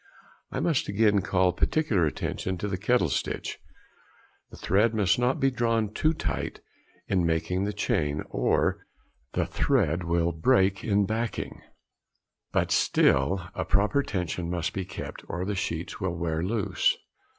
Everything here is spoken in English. I must again call particular attention to the kettle stitch. The thread must not be drawn too tight in making the chain, or the thread will break in backing; but still a proper tension must be kept or the sheets will wear loose.